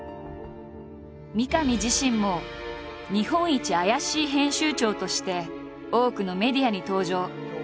三上自身も日本一アヤシイ編集長として多くのメディアに登場。